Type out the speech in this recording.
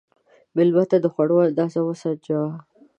مېلمه ته د خوړو اندازه وسنجوه.